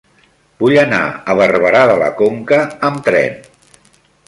Vull anar a Barberà de la Conca amb tren.